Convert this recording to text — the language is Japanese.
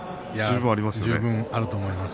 十分あると思います。